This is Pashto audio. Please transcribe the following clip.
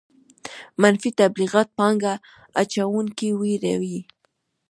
منفي تبلیغات پانګه اچوونکي ویروي.